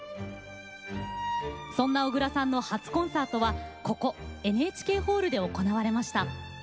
そんな小椋さんの初コンサートはここＮＨＫホールで行われました。